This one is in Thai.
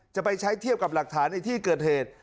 จะไปใช้เทียบกับหลักฐานในที่เกิดเหตุ